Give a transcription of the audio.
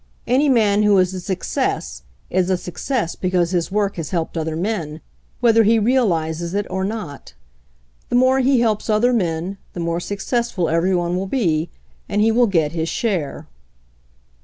Any man who is a success is a success because his work has helped other men, whether he realizes it or not The more he helps other men the more success ful every one will be, and he will get his share."